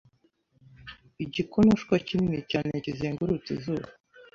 Igikonoshwa kinini cyane kizengurutse izuba